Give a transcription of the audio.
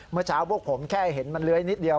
เมื่อเช้าพวกผมแค่เห็นมันเลื้อยนิดเดียว